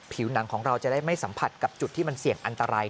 ผิวหนังของเราจะได้ไม่สัมผัสกับจุดที่มันเสี่ยงอันตราย